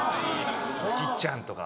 「好きっちゃん」とか。